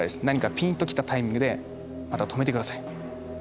何かピンと来たタイミングでまた止めて下さい。